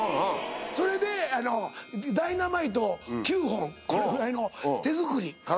それでダイナマイト９本これぐらいの手作り。